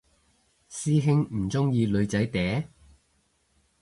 師兄唔鍾意女仔嗲？